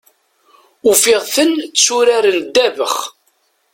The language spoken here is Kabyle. Ufiɣ-ten tturaren ddabax.